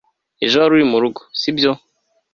ejo wari murugo, sibyo